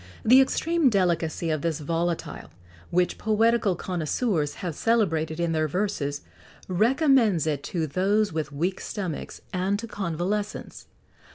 The extreme delicacy of this volatile, which poetical connoisseurs have celebrated in their verses,[XX 55] recommends it to those with weak stomachs and to convalescents.